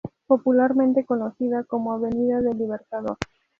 Popularmente conocida como Avenida del Libertador.